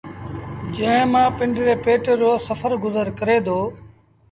جݩهݩ مآݩ پنڊري پيٽ رو گزر سڦر ڪري دو۔